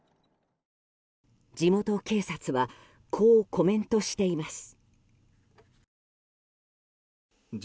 地元警察はこうコメントしています。